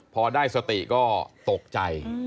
พอได้สติก็ตกใจ